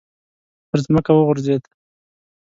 پر ځمکه وغورځېد.